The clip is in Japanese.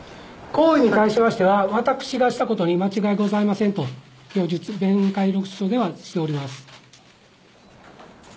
行為に関しましては、私がしたことに間違いございませんと、では供述しております。